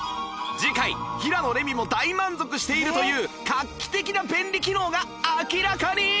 次回平野レミも大満足しているという画期的な便利機能が明らかに！